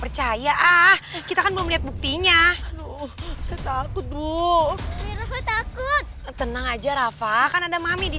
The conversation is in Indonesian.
saya akan membunuh kalian semua